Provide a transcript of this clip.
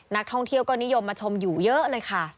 นักท่องเที่ยวก็นิยมมาชมอยู่เยอะเลยค่ะ